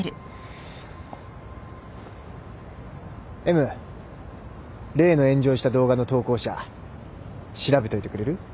Ｍ例の炎上した動画の投稿者調べといてくれる？